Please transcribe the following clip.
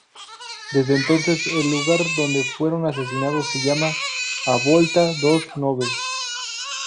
Desde entonces, el lugar donde fueron asesinados se llama "A Volta dos Nove".